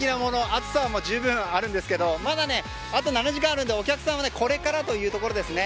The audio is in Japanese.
暑さはじゅうぶんあるんですがあと７時間あるのでお客さんはこれからというところですね。